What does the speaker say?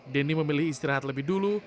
denny memilih istirahat lebih dulu